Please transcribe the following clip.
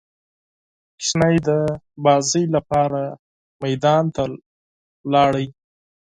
ماشوم د لوبو لپاره میدان ته لاړ.